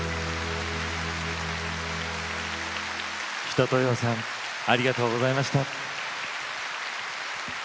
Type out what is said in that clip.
一青窈さんありがとうございました。